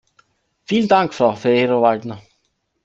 Vielen Dank, Frau Ferrero-Waldner.